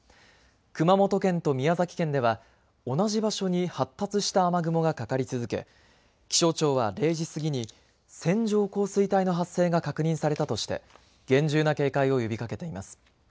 熊本県と宮崎県では同じ場所に発達した雨雲がかかり続け気象庁は０時過ぎに線状降水帯の発生が確認されたとして厳重な警戒を呼びかけています。